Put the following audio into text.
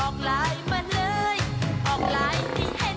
ออกลายมาเลยออกลายให้เห็น